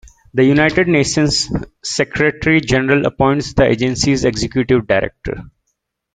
The United Nations Secretary-General appoints the agency's Executive Director.